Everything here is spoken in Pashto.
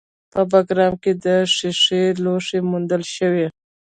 په بګرام کې د ښیښې لوښي موندل شوي